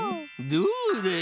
どうだい？